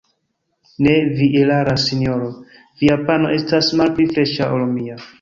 Ne, vi eraras, sinjoro: via pano estas malpli freŝa, ol mia.